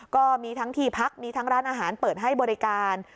ก็มีทั้งที่พักมีทั้งร้านอาหารเปิดให้บริการ